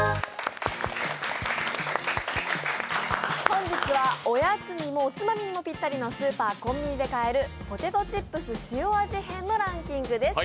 本日はおやつにもおつまみにもぴったりのスーパーやコンビニで買えるポテトチップス塩味編のランキングです。